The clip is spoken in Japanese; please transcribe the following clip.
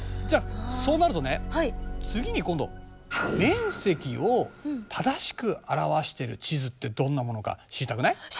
じゃあそうなるとね次に今度面積を正しく表している地図ってどんなものか知りたくない？